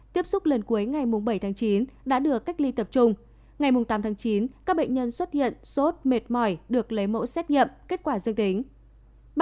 tiếp xúc lần cuối ngày bảy tháng chín đã được cách ly tập trung ngày tám tháng chín các bệnh nhân xuất hiện sốt mệt mỏi được lấy mẫu xét nghiệm kết quả dương tính